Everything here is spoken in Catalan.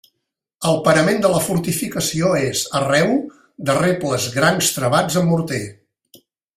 El parament de la fortificació és, arreu, de rebles grans travats amb morter.